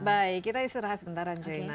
baik kita istirahat sebentar anjoina